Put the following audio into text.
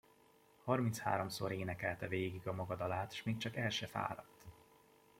Harmincháromszor énekelte végig a maga dalát, s még csak el se fáradt.